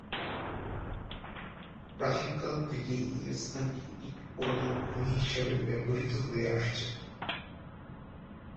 প্রাচীনকাল থেকেই এই স্থানটি ইট পোড়ানোর খনি হিসেবে ব্যবহৃত হয়ে আসছে।